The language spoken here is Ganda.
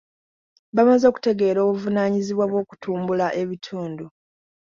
Bamaze okutegeera obuvunanyizibwa bw'okutumbula ebitundu.